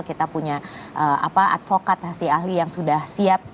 kita punya advokat saksi ahli yang sudah siap